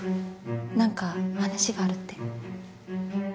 何か話があるって。